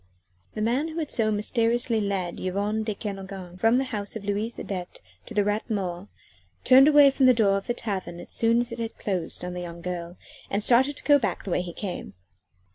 V The man who had so mysteriously led Yvonne de Kernogan from the house of Louise Adet to the Rat Mort, turned away from the door of the tavern as soon as it had closed on the young girl, and started to go back the way he came.